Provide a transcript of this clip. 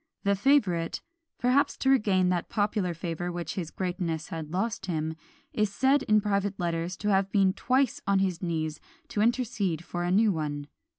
The favourite, perhaps to regain that popular favour which his greatness had lost him, is said in private letters to have been twice on his knees to intercede for a new one.